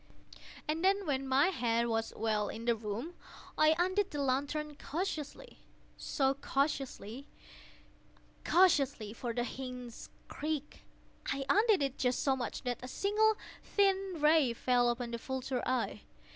And then, when my head was well in the room, I undid the lantern cautiously—oh, so cautiously—cautiously (for the hinges creaked)—I undid it just so much that a single thin ray fell upon the vulture eye.